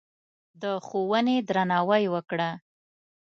د ښوونې درناوی وکړه.